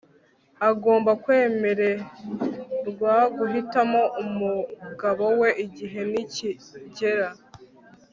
agomba kwemererwa guhitamo umugabo we igihe nikigera